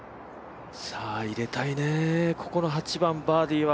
入れたいね、ここの８番バーディーは。